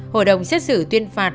hội đồng xét xử tuyên phạt